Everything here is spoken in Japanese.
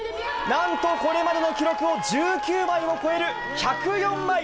なんとこれまでの記録を１９枚も超える１０４枚。